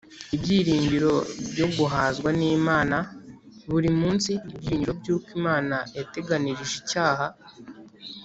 Ibyiringiro byoguhazwa n'Imana buri munsi Ibyiringiro by'uko Imana yateganirije icyaha